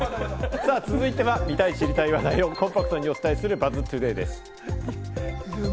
さぁ、続いては見たい知りたい話題をコンパクトにお伝えする、ＢＵＺＺトゥデイです。